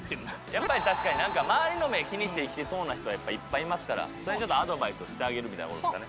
やっぱり確かに周りの目気にして生きてそうな人はいっぱいいますからそれにアドバイスをしてあげるみたいな事ですかね。